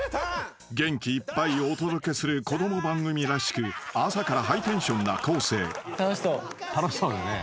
［元気いっぱいをお届けする子供番組らしく朝からハイテンションな昴生］